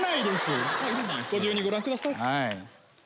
ご自由にご覧ください。